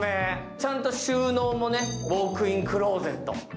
ちゃんと収納もね、ウォークインクローゼット。